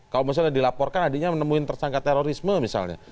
kalau misalnya dilaporkan adiknya menemuin tersangka terorisme misalnya